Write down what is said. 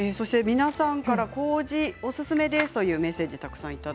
皆さんからこうじおすすめですというメッセージです。